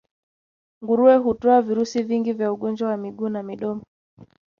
Nguruwe hutoa virusi vingi vya ugonjwa wa miguu na midomo